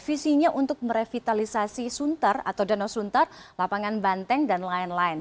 visinya untuk merevitalisasi sunter atau danau sunter lapangan banteng dan lain lain